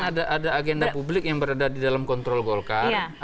karena ada agenda publik yang berada di dalam kontrol golkar